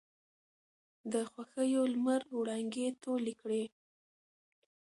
د خـوښـيو لمـر وړانـګې تـولې کـړې.